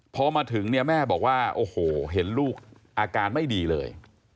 พอมาถึงเนี่ยแม่บอกว่าโอ้โหเห็นลูกอาการไม่ดีเลย